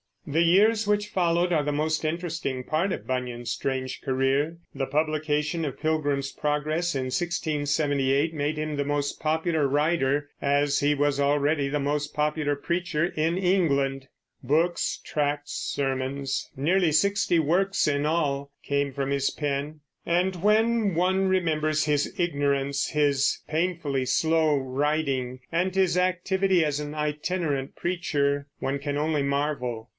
The years which followed are the most interesting part of Bunyan's strange career. The publication of Pilgrim's Progress in 1678 made him the most popular writer, as he was already the most popular preacher, in England. Books, tracts, sermons, nearly sixty works in all, came from his pen; and when one remembers his ignorance, his painfully slow writing, and his activity as an itinerant preacher, one can only marvel.